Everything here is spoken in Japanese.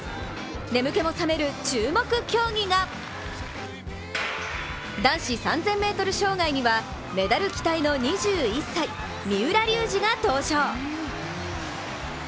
眠気も覚める注目競技が男子３０００ｍ障害にはメダル期待の２１歳、三浦龍司が登場。